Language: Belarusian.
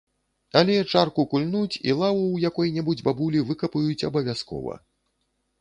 Але чарку кульнуць і лаву ў якой-небудзь бабулі выкапаюць абавязкова.